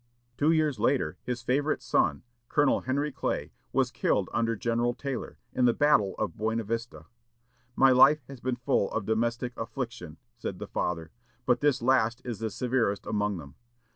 Two years later, his favorite son, Colonel Henry Clay, was killed under General Taylor, in the battle of Buena Vista. "My life has been full of domestic affliction," said the father, "but this last is the severest among them."